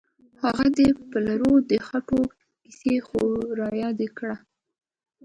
خو هغه د پلرو د وختونو کیسې خو رایادې کړه.